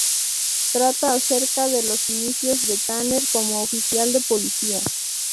Trata acerca de los inicios de Tanner como oficial de policía.